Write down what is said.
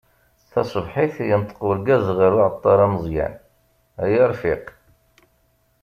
Tasebḥit, yenṭeq urgaz γer uεeṭṭar ameẓyan: Ay arfiq.